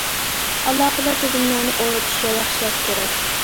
ئالاقىدار تۈزۈملەرنى ئورنىتىش ۋە ياخشىلاش كېرەك.